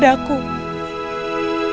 bayi aku akan menekanku